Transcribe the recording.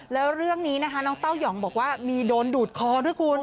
แล้วเรื่องนี้นะคะน้องเต้ายองบอกว่ามีโดนดูดคอด้วยคุณ